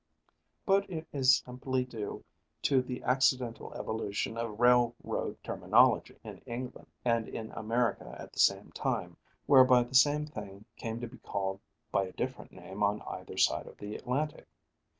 But it is simply due to the accidental evolution of railroad terminology in England and in America at the same time, whereby the same thing came to be called by a different name on either side of the Atlantic.